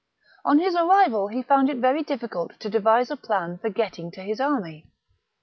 On his arrival he found it very difficult to devise a plan for getting to his army.